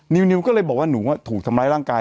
นิวก็เลยบอกว่าหนูถูกทำร้ายร่างกาย